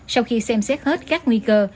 sau khi xem xét hết các nguy cơ